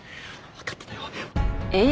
わかってたよ。